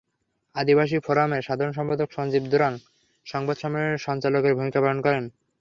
আদিবাসী ফোরামের সাধারণ সম্পাদক সঞ্জীব দ্রং সংবাদ সম্মেলনে সঞ্চালকের ভূমিকা পালন করেন।